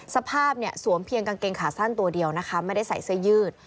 สภาพเนี่ยสวมเพียงกางเกงขาสั้นตัวเดียวนะคะไม่ได้ใส่เสื้อยืด